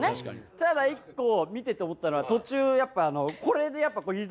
ただ１個見てて思ったのは途中やっぱこれで。